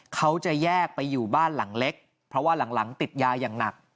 เขาจะแยกไปอยู่บ้านหลังเล็กเพราะว่าหลังติดยาอย่างหนัก